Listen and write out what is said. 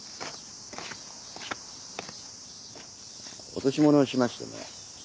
落とし物をしましてね。